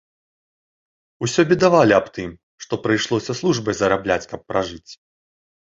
Усё бедавалі аб тым, што прыйшлося службай зарабляць, каб пражыць.